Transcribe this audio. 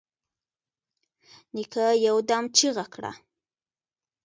نيکه يودم چيغه کړه.